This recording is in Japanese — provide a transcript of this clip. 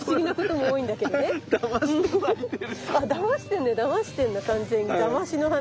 だましてんのよだましてんの完全にだましの花。